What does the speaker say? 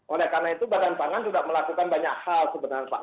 oleh karena itu badan pangan sudah melakukan banyak hal sebenarnya pak